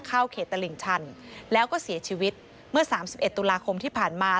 เข้าเขตตลิ่งชันแล้วก็เสียชีวิตเมื่อ๓๑ตุลาคมที่ผ่านมา